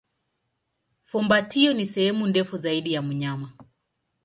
Fumbatio ni sehemu ndefu zaidi ya mnyama.